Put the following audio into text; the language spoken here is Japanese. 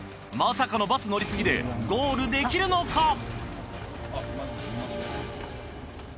まさかのバス乗り継ぎでゴールできるのか！？